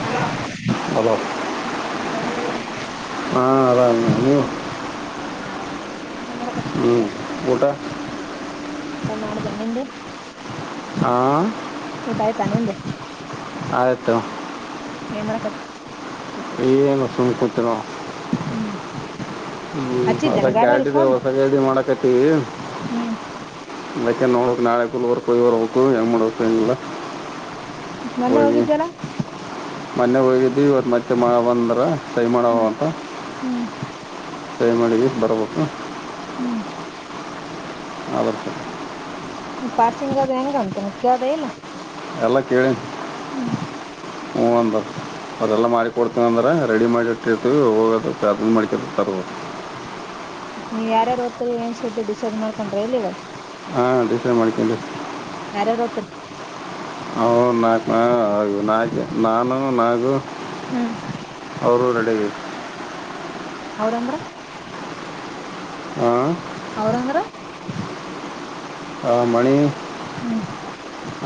Hello hello ಆರಾಮದರಿ ಹಾ ಆರಾಮ ನೀವು ನಾನ್ ಆರಾಮ [inaudible] ಹ್ಮ್ ಊಟಾ ಮಾಡ್ದೆ ನಿಂದು ಹಾಂ ಊಟ ಆಯ್ತಾ ನಿಂದ ಹಟ್ಟ ಏನ್ ಮಾಡಕತ್ತ ಏನು ಸುಮಕೂತ್ರು ಹ್ಮ್ ಹ್ಮ್ ಹಚ್ಚಿದ್ದೇನ ಗಾಡ್ಯಾರಿ ಅದಕ್ಕೆಾರಡಿದೆ ಫೋನ್ ಹೊಸಾಗ ಎ್ದ ಮಾಡಕತಿವಿ ಹ್ಮ್ ಅಕ ನೋಡ್ಕ್ ನಾಳೆ ಕಲ್ವರ್ ಕೊಯ್ವರ್ ಹಬೇಕು ಹೆಂಗ ಮಾಡಬೇಕ ಹೆಂಗಿಲ್ಲ ಮೊನ್ನೆ ಹೋಗಿದ್ದ್ಯಲ್ಲ ಮೊನ್ನೆ ಹೋಗಿದ್ದವಿ ಇವತ್ತು ಮತ್ತೆ ಬಂದ್ರೆ ಸೈ ಮಾಡುವ ಹ್ಮ್ ಅಂತ ಹ್ಮ್ ಸೈ ಮಾಡಿದ ಬರ್ಬೇಕಾ ಹ್ಮ್ ಹರ್ತ ಪಾರ್ಸಿಂಗ್ ಅದು ಹೆಂಗಂತ ಮತ್ತೆ ಕದ ಇಲ್ಲ ಎಲ್ಲ ಕೇಳಿ ಹ್ಮ್ ಹ್ಮ ಒ ಅದೆಲ್ಲ ಮಾರ ಕೊಡ್ತೀವಿ ಅಂದ್ರ ರೆಡಿ ಮೈಡ್ ಇಟ್ಟಿರ್ತೀವಿ ಹೋಗದ ಮ ತ [inaudible] ನೀವ್ ಯಾರಾರು ಹತ್ತರಿ ಏನ್ ಸುದ್ದ ಡಿಸೈಡ್ ಮಾಡ್ಕೊಂಡ್ರಿ ಇಲ್ಲಿ ಇವಾಗ ಹಾ ಡಿಸೈಡ್ ಮಾಡ್ಕೊಂಡ ಹ ಹ ನಾ ಹೌದು ನ ನಾನು ನಾಗು ಹ್ಮ್ ಅವರು ನಡಗೆ ಅವ್ರಂದ್ರ ಹಾ ಅವ್ರಂದ್ರ ಹಾ ಮಣ ಹ್ಮ್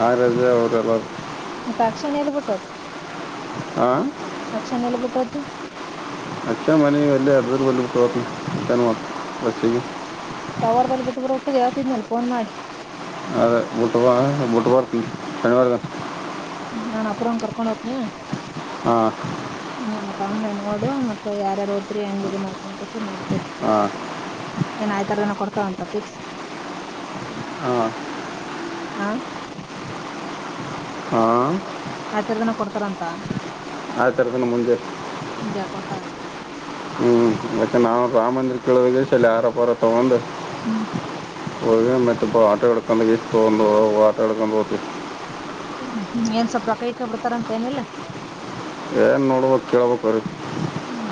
ಆರ ಅವರು ಎಲ್ಲ ಪಕ್ಷಣ ಎಲ್ಲಿ ಬಿಟ್ಟುತ್ ಹಾ ಅಕ್ಷನ ಎಲ್ಲಿ ಬಿಟ್ಟೋಹೋದಿ ಅಚ್ಚ ಮನೆ ವಯ ಎರ್ ಬೋ ಮ ಬಚ್ಚೆಗೆ ಸವರ್ ಬಲ್ಲಿ ಬಿಟ್ಟರು ಹೋಗತಿದ್ದ ಹೇಳ್ತಿದನಲ್ಲ ಫೋನ್ ಮಾಡಿ ಅದೇ ಬಟ್ಟು ಬಟ್ಟುಪರ್ತ ಶನಿವಾರದ ನಾನ ಅಪೂರ್ವ ಕರ್ಕೊಂಡ್ ಹೋದ್ನಿ ಹಾ ಮತ ಅವ್ನ್ ನೋಡು ಮತ್ತತ್ ಯಾರು ದ್ರಿ ಹೆಂಗ ಇ ಮಾಡ್ಕೋ ಕೆಸುರು ನಡಡ್ತು ಹಾ ಏನ್ ಆಯ್ತಾರ ಜನ ಕೊಡ್ತದಂತ ಫಿಕ್ಸ್ ಹಾಂ ಹಾ ಹಾಂ ಆ ತರದನ ಕೊಡ್ತಾರಂತ ಆ ತರತನ್ನು ಮುಂಜೆ ಹಜ ಕೊತ ಅಂತ ಹ್ಮ್ ಮತ್ತೆ ನಾವು ರಾಮ ಮಂದಿರ್ ಕೇಳೋದಾಗ ಆರೋಪರ ತಗೊಂಡು ಹ್ಮ್ ಒ ಮತ್ತೆ ಪಾಟ ಕಕಾ ಇಷ್ಟ ಪಾಟ ಕಡಕನ್ತ ಹ್ಮ್ಮ ಏನ್ ಸ್ವಲ್ಪ ಕೈಕ ಬಿಡ್ತಾರ ಅಂತ ಏನಿಲ್ಲ ಏನ್ ನೋಡ್ಬೇಕ ಕೇಳಳ್ಬೇಕ್ರ ಹ್ಮ್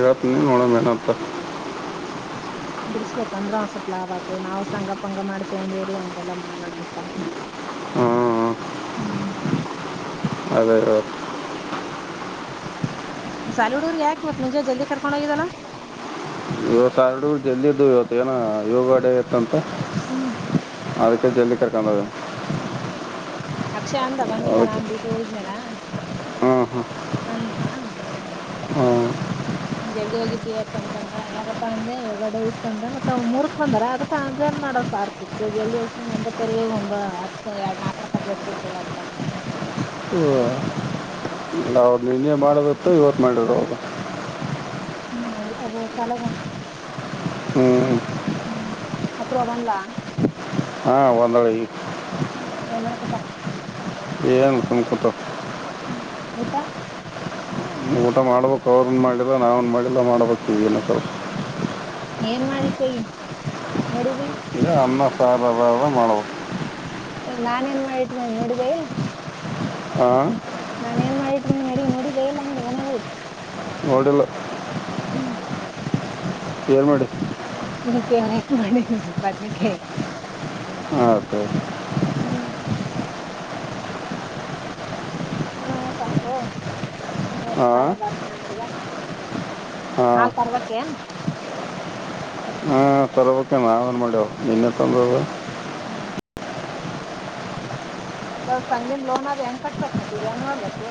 ಯರತ ನೀ ಹಣ ಮೆಹನತ ಬಿಡ್ಸ್ಬೇಕಂದ್ರೆ ಒಂದ್ ಸ್ವಲ್ಪ ಲಾಭ ಆತು ನಾವು ಸಂಗಪ್ ಹಂಗ ಮಾಡಿ ತೊಗೊಂಡಿವವ್ರಿ ಹಂಗೆಲ್ಲ ಮಾಡಾಡ ಅಂತಾನ ಹ್ಮ ಹ್ಮ್ ಅ ಸಾಲಿಡ್ ಊರ್ ಯಾಕೆ ಇವತ್ ಮುಂಜೆ ಜಲ್ದಿ ಕರ್ಕೊಂಡ್ ಹೋಗಿದ್ದಲ್ಲ ಇವತ್ತು ಆರಡು ಜಲ್ದಿದ್ದು ಇವತ್ತು ಏನ ಯೋಗಡಡೆ ಇತ್ತಂತ ಹ್ಮ್ ಅದಕ್ಕೆ ಜಲ್ಲಿ ಕಡಕ ಅಕ್ಷ ಅಂದ ಬಂದಿಂದ ನಾನ್ ಡ್ಯೂಟಿ ಹೋಿದ್ನಾರ ಹ್ಞೂ ಅಂದವಾ ಹ್ಞೂ ನಮ್ ಜಲ್ದಿ ಹೋಗಿದ್ದಿವವತ್ತಂತಂದ ಯಗಪ್ಪ ಅಂದ್ರೆ ಒಗಡೆ ಇತ್ತಂದ ಮತ್ತ ಮೂರ್ಕ್ ಬಂದಾರ ಅದ್ರೆ ನ್ ಮಾಡೋ ಸಾರ್ತಿತ್ತು ಜಲ್ದಿ ಒಪ್ಪುನ್ ಒಂಬತ್ತವರೆಗ ಒ ಹತ್ತು ಎರಡ್ ನಾಲ್ಕರ ತಕ ಇರ್ತಿದ್ಲ್ಲ ಅಂತಂದೆ ಹ ಇಲ್ಲ ಅವ್ರ ನೀನ್ನೇ ಮಾಡೋದತ್ತ ಇವತ್ತು ಮಾಡಿದ್ರ ಅವರು ಹ್ಮ್ ಹಾಗೆ ಒಬ್ಬೊಬ ಸಲಗ ಒಂದಂಗೆ ಹ್ಮ್ ಹ್ಮ್ ಅಪರ ಬನ್ಲ ಹಾ ಒಂದಳ ಹ್ಮ್ ಂಗಕ್ಕೆಪ್ಪಾ ಏನು ತುಕೂಟ ಹ್ಮ್ ಊಟಾ ಊಟ ಮಾಡ್ಬೇಕು ಅವ್ರನ್ ಮಾಡಿಲ್ಲ ನಾವನ್ ಮಾಡಿಲ್ಲ ಮಾಡ್ಬೇಕು ಈ ಏನ ಏನ್ ಮಾಡಿಟ್ಟಗ ನಡಿಬ ಇಲ್ಲ ಅನ್ನ ಸಾರ ಮಾಡಬೇಕ ನಾನನ್ ಏನ್ ಮಾಡಿಟ್ ಮಿ ನೋಡಿದೆ ಇಲ್ಲ ಹ್ಮ ನಾನ ಏನ್ ಮಾಡಿಟ್ಟ ಮ ನಡಿ ನೋಡಿದ್ದೆ ಇಲ್ಲ ಅಂದೆ ಮನಾಗ ಒಡುಲು ಹ್ಮ್ ಏಳ್ ಮಾಡಿ ನೀನ್ ಫೇವ್ರೇಟ್ ಮಾಡನಿ ಬದ್ನಿಕಾಯ ಹಕ ಹ್ಮ್ ಹಣ ಸ್ವಲ್ಪು ನಂಟ್ರೆಸ್್ ಹಾಂ ಮಾಡೋ ಬರ್ಸ ನನ್ೀಗ ಹಾಂ ಹಾಲ್ ಪರ್ವಕ್ಕ ಏನು ಹ ಚಲವ ನಾನ್ ಮಾಡೇಡ ನಿನ್ನೆಸ ಹ್ಮ್ ಹ್ಮ್ ಯ ಸಂಂಗೀನ್ ಲೋನ್ ಆದ ಹೆಂಗ ಕಟ್ಬೇಕಕ್ ಮತ್ತ ಈಗ ಹೆಂಗ ಮಾಡ್ಬೇಕು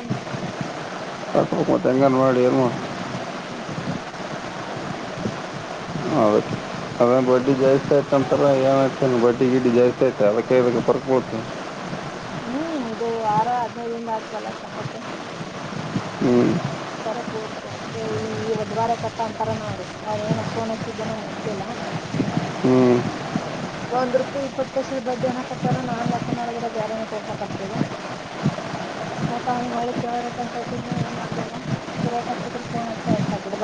ಮ ತೆಂಗಾನು ಮಾಡಡಿಮ ಹ್ಮ್ ಹೌ ಹ ಬಟ್ಟಿ ಜೈ ಸ ಂತರ ಏನ್ತ ಬಡ್ಡಿ ಗಿಡ್ಡಿ ಜಾಸ್ತಿ ಆಐತೆ ಅದಕ್ಕೆಕ್ಕೆ ಬರ್ಕಬೋಡ್ತಿ ಹ್ಮ್ ಇದು ವಾರ ಹದ್ನೈದಿಂದ ಆತದಲ್ಲ ಸಂಗತ್ತು ಹ್ಞೂ ಬರ ಪ ಅಕ ಈ ಈ ಒದ್ವಾರೆ ಕಟ್ಟ ಅಂತಾರಾನ ಅವ್ರು ಅವ್್ರ ಏನ್ ಫೋನ್ ಹಚ್ಚಿದ್ದೆ ನಾನನ್ ಎತ್ಲಿಲ್ಲ ಹ್ಮ್ ಒಂದ್ ರುಪಾಯ ಇಪ್ಪತ್ತು ಪರ್ಸ ಬಡ್ಡಿ ಏಕ್ ಹತ್ತತಾರ ನಾನ್ ಲೆಕ್ಕ ಮಾಡಿದ್ರೆ ಬೇರೆ ಏ ಕೊಡ್ಬೇಕಕ್ಾಗಗ್ತದ ಯಾಕ ಅವನಗ್ ಒಳಿ ಕ ರಕ್ಂತ್ದಿದ್ದಿ ಏನು ಅಿಲ್ಲ ರೇೇಕ ಹಕ್ತಿದ್ರ ಫೋನ್ ಹಚ್ಚ ಹತಾ ಬಿಡ್ದ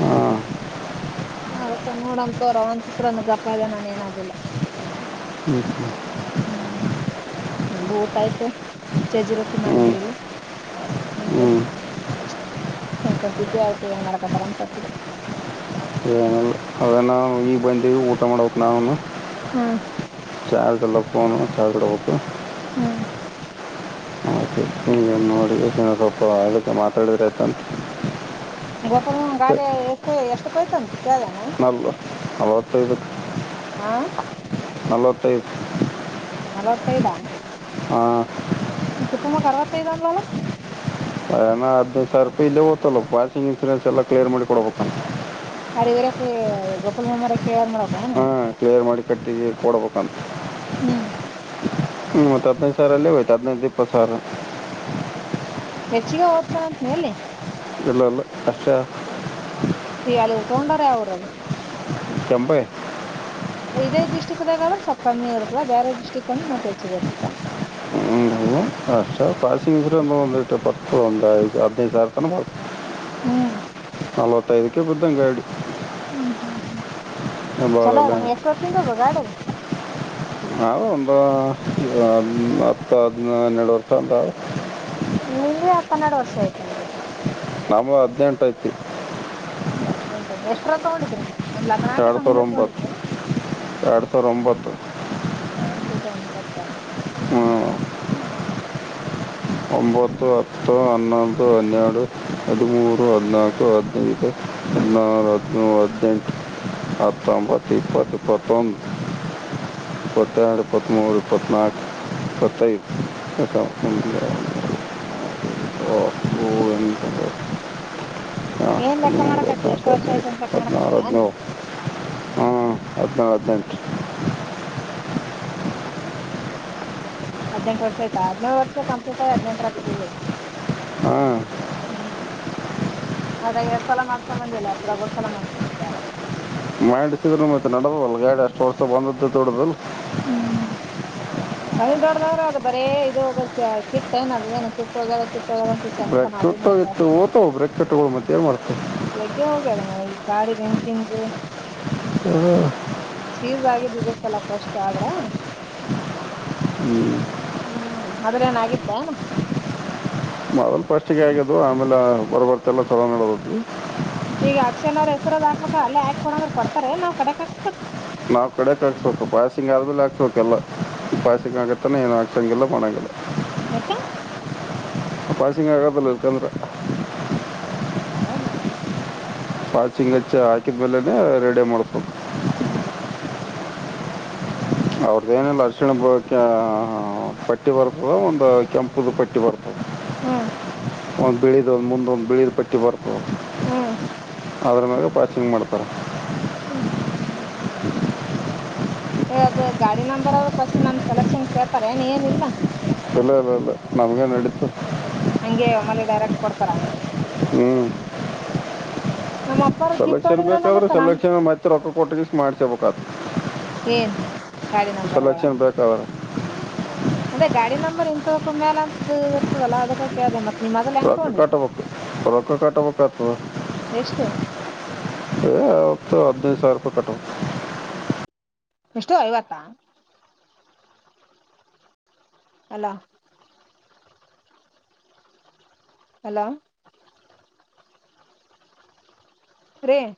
ಹಾಂ ಆ ಅಕ್ಕ ನೋಡ ತೋರ ಅವನ್ಕಸರನ ಗಪ ಅದೆ ನಾನ ಏನದಿಲ್ಲ ಹ್ಞೂ ಹ್ಮ್ ನು ಊಟ ಆಯ್ತು ಚಜಿ ರೊಟ್ಟಿ ಹ್ಞೂ ಮಾಡಿದ್ರ ಇಲ್ಲಿ ಹ್ಞೂ ಹುಂಡೆ ಸುಮ್ ಕುಂತಿದ್ಯ ಅದಕ್ಕೆ ಏನ್ ಮಾಡಾಕತ್ತಾರಂತೆ ಹಚ್ಚಿದೆ. ಹ ಬಂದವಿ ಊಟ ಮಾಡಬಕು ನಾವನು ಹ್ಮ್ ಆದಲ್ಲ ಫೋನ್ ಚಾರ್ಜ್ ಇಡಬೇಕು. ಹ್ಮ್ ಹ ನೋಡಿ ಸ್ವಲ್ಪ ಅದಕ್ ಮಾತಾಡಿದ್ರ ಆಯ್ತಂತ ಗೋಪಾಲ ಗಾಡಿ ಎಷ್ಟು ಎಷ್ಟು ಕೊಯ್ತಂತ ಕೇಳೇಲೆನ ನಲ್ವ ನಲವತ್ತೈದಕ್ಕೆ ಆ ನಲವತ್ತೈದು ನಲವತ್ತೈದ ಹಾ ತಿಪ್ಪಮ್ಮಕ್ ಅರವತೈದ ಅಂದಲಲ ನ ಹದನೈದು ಸಾವಿರ ರೂಪಾಯಿ ಇಲ್ಲೇ ಹೋತಲ್ಲ ಪಾಸಿಂಗ್ ಇನ್ಸೂರೆನ್ಸ್ ಎಲ್ಲ ಕ್ಲಿಯರ್ ಮಾಡಿ ಕೊಡ್ಬೇಕಂತ ಅರಿ ಇರ ಗೋಪಲ್ [unintelligible] ಮರಕ್ಕೆ ಯಾರ ಮಾಡಕ ಹ ಕ್ಲಿಯರ್ ಮಾಡಿ ಕಟ್ಟಿ ಕೊಡಬೇಕಂತ ಹ್ಮ್ ಹ್ಮ್ ಮತ್ ಹದಿನೈದು ಸಾವರಲ್ಲಿ ಹಯ್ತ ಹದನೈದು ಇಪ್ಪತ್ತು ಸಾವಿರ ಹೆಚ್ಚಿಗೆ ಓದ್ತಾ ಅಂತ ಎಲ್ಲಿ ಬಲ್ [unintelligible] ಸಿ ಅಲ್ಲಿ ಉ ತೊಂಡರ ಯಾವ್ ಊರರ ಕೆಂಪೈ ಇದೇ ಡಿಸ್ಟಿಕ್ ದಾಗ ಸ್ವಲ್ಪ ಕಮ್ಮಿ ಇರತ್ತಲಾ ಬೇರೆ ಡಿಸ್ಟಿಕ್ ಅಂದ ಮತ್ತೆ ಹೆಚ್ಚಿಗೆ ಅಗತತ ಅ ಪಾಸಿಂಗ್ ಒಂದು ಒಂದುತ್ತು ಒಂದು ಐದು ಹದನೈದು ಸಾವಿರ ತನ ಹ್ಮ್ ನಲವತ್ತೈದುಕ್ಕೆ ಬ್ದಂಗಡಿ ಹ್ಮ್ ಹ್ಮ್ ಹ್ಮ್ ಚಲೋ ಭಾಳಲ್ಲ ಅ ಎಷ್ಟು ವರ್ಷಿಂದ ಅದ ಗಾಡಿದ ಹಾ ಒಂದು ಹತ್ತು ಹದಿನ ಹನ್ನೆರಡು ವರ್ಷ ಅಂತಾ ನಿಂದ ಹತ್ತ ಹನ್ನೆರಡು ವರ್ಷ ಆಯ್ತು ನಂಗೆವ ನಮ್ಮ ಹದನೆಂಟು ಐತಿ ಇಲ್ಲ ಹದಿನೆಂಟು ಎಷ್ಟರ ತಗೊಂಡಿದ್ರ ನಮ ಲಗ್ನ ಎರಡು ಆಗಕಿತ ಸಾವಿರ ಮುಂದೆ ಒಂಬತ್ತು ತಗೊಂಡಿದ್ದಲ್ಲ ಎರಡು ಸಾವಿರ ಒಂಬತ್ತು ಹಾ ಸಪ ಒಂಬತ್ತ ಹ್ಮ ಹ್ಮ್ ಒಂಬತ್ತು ಹತ್ತು ಹನ್ನೊಂದು ಹನ್ನೆಡು ಹದಿಮೂರು ಹದಿನಾಲ್ಕು ಹದಿನೈದು ಹದನಾರ ಹದಿನೇಳು ಹದಿನೆಂಟು ಹತ್ತೊಂಬತ್ತು ಇಪ್ಪತ್ತು ಇಪತ್ತೊಂದು ಇಪ್ಪತ್ಯಾಡು ಇಪ್ಪತಮೂರು ಇಪ್ಪತಮೂರು ಇಪ್ಪತ್ನಾಕ್ ಇಪ್ಪತೈದ [unintelligible] ಹ [unintelligible] ಏನ್ ಲೆಕ್ಕ ಮಾಡಕತ್ತಿ ಎಷ್ಟ್ ಹದಿಮೂರು ವರ್ಷ ಆಯ್ತ ಅಂತ ಲೆಕ್ಕ ಹದಿನಾಲ್ಕು ಮಾಡಕತ್ತಿ ಏನ್ ಹದಿನೈದು ಹದನಾರ ಹದಿನೇಳು [inaudible] ಹದಿನೆಂಟು ವರ್ಷ ಆಯ್ತ ಹದಿನೇಳು ವರ್ಷ ಕಂಪ್ಲೀಟ ಆ ಹದಿನೆಂಟು ರಾಗಬಿದ್ದೈತ್ [unintelligible] ಹ್ಮ [unintelligible] ಹ್ಮ್ ಅದಾಗ ಎ ಸಲ ಮಾಡ್ಸೊಂಬಂದಿಲ್ಲ ಅಪರಗೋಸಲ ಮಾಡ್ತೊಂಬಂದಿ ಅದ [unintelligible] ಮಾಡಿಸಿದ್ರ ನಡಬವಲ್ ಗಾಡಿ ಅಷ್ಟು ಹೊರ್ಸ ಬಂದದ ದೊಡುದಲ್ [unintelligible] ಹ್ಮ್ ಮನಿ ದೊಡ್ಡದವ್ರೆ ಅದು ಬರೇ ಇದು ಹೋಗದಕ್ಕೆ ಕಿತ್ತನ ಅದು ಏನು ಕಿತ್ತ ಹೋಗದ ಕಿತ್ತ [unintelligible] ತೆಗಿವಂತ್ ಬ್ರೇಕ್ ಚೆಂಜಿತನ್ ಅದನೇ ಈಗ ಕಿಟ್ಟೋಗಿತ್ತು ಓತಾವ ಬ್ರೇಕ್ ಕಿಟ್ಟುಗಳು ಮತ್ತೆ ಏನು ಮಾಡ್ತೀವಿ ಬೆಳಗ್ಗೆ ಹೋಗರಾ [unintelligible] ಗಾಡಿದ ಇಂಜಿನದ [unintelligible] ಹ್ಮ್ [unintelligible] ಸೀಸ್ ಆಗಿಧೀ ಧೆ ಸಲ ಫಸ್ಟ್ ಆದ್ರ [unintelligible] ಹ್ಞೂ ಹ್ಮ್ ಮೊದಲೇನಾಗುತ್ತೆ [unintelligible] ಅಲ್ಲಿ ಫಸ್ಟ್ಿಗೆ ಆಗದು ಆಮೇಲೆ ಬರಬರ್ತೆಲ್ಲ ಚಲೋ ನಡದ್ವಿ [unintelligible] ಈಗ ಅಕ್ಷಯ ಅವ್ರ ಹೆಸರದ ಹಾಕ್ಬೇಕ ಅಲ್ಲೇಾಕ್ ಕೊೋಂದ್ರರು ಕೊಡ್ತಾರೆ ನಾವ್ ಕಡೆಕ್ಕಾ ಕ್ಸ್ಬೇಕು [unintelligible] ನಾವ ಕಡೆ ಕಸ್ಬೇಕು ಪಾಸಿಂಗ್ ಆದ್ಮಲೆ ಹಾಕ್ಸ್ಬೇಕಲ್ಲಾ [unintelligible] ಪಾಸಿಂಗ್ ಆಗತಾನ ಎನ್ ಅಗ್ಸಂಗಿಲ್ಲ ಕೊನಗ್ಗಿಲ್ಲಾಹ್ [unintelligible] ಯಾಕ [unintelligible] ಪಾಸಿಂಗ್ ಆಗದಲ್ಲ ಇಕಂದ್ರ [unintelligible] ಹೌದಾ [unintelligible] ಪಾಚಿಂಗಚ್ಚ ಹಾಕಿದ್ಮೇಲೆನೆ ರೆಡಿ ಮಾಡ್ಕೋಬೇಕುಗ್ [unintelligible] ಹ್ಮ [unintelligible] ಅವ್ರದ್ದ ಏನಿಲ್ಲ ಅರಿಶಿಣ ಪಟ್ಟಿ ಬರ್ತದ ಒಂದು ಕೆಂಪದು ಪಟ್ಟಿ ಬರ್ತದ [unintelligible] ಹ್ಮ್ [unintelligible] ಒಂದು ಬಿಳಿದು ಒಂದು ಮುಂದ ಒಂದು ಬಿಳಿದು ಪಟ್ಟಿ ಬರ್ಬದು [unintelligible] ಹ್ಮ್ [unintelligible] [unintelligible] ಅದ್ರ ಮೇಲೆ ಪಾರ್ಕಿಂಗ್ ಮಾಡ್ತಾರೆ [unintelligible] ಹ್ಮ್ ಹ್ಮ್ ಹ್ಮ್ ಹ್ಮ್ ಹ್ಮ್ [unintelligible] ಹೇಳ ಅದು ಗಾಡಿ ನಂಬರ್ ಫಸ್ಟ್ ನಮ ಸೆಲೆಕ್ಷನ್ ಕೇಳ್ತಾರೆ ಏನ ಏನಿಲ್ಲ [unintelligible] ಇಲ್ಲ ಇಲ್ಲ ಇಲ್ಲ ನಮ್ಗೆೇ ನಡೀತು [unintelligible] ಹಂಗೆ ಒಮ್ಮಲ್ಲಿ ಡೈರೆಕ್ಟ್ ಕೊಡ್ತಾರ [unintelligible] ಹ್ಮ್ [unintelligible] ನಮ್ಮ ಅಪ್ಪಾರ ಜೀಪ್ ಸೆಲೆಕ್ಷನ್ ತಗೊಂಡಿದ್ರಲ್ಲ ಬೇಕಾದ್ರೆ ಮತ್ತ ನಮ್ ಸೆಲೆಕ್ಷನ್ ಮತ್ತೆ ರೊಕ್ಕ ಕೊಟ್ಟಗಷ್ಟ ಮಾಡ್ಸಬೇಕ [unintelligible] ಏನ್ [unintelligible] ನಂಬರ್ಗಳ ಸಲಕ್ಷನ್ ಬೇಕಾದಾಗ [unintelligible] ಅದೇ ಗಾಡಿ ನಂಬರ್ ಇಂತವಕ ಮೇಲೇ ಅಂತ ಇರ್ತದಲ್ಲಾ ಅದಕ್ಕೆ ಕೇಳಿದೆೆ ಮತ್ತೆ [unintelligible] ಒಳ ಕಟ ಪ ಹಳಕ್ಕ ಕಾಟ ಪೊಕ್ಕತದೆ ಎಷ್ಟು [unintelligible] ಅತ್ತು ಹದಿನೈದು ಸಾವಿರ ಕಟ್ಟಬೇಕು ಎಷ್ಟು ಐವತ್ತಾ [unintelligible] ಅಲ್ಲ [unintelligible] ಹಲೋ [unintelligible] ರೇ [unintelligible]